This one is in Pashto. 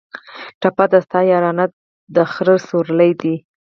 ټپه ده: ستا یارانه د خره سورلي ده